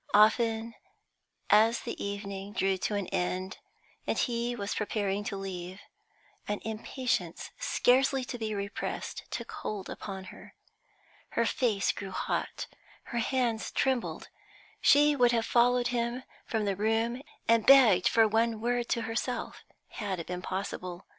Often, as the evening drew to an end, and he was preparing to leave, an impatience scarcely to be repressed took hold upon her; her face grew hot, her hands trembled, she would have followed him from the room and begged for one word to herself had it been possible.